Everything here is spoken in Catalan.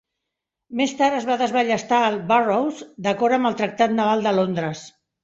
Més tard es va desballestar el "Burrows" d'acord amb el Tractat Naval de Londres.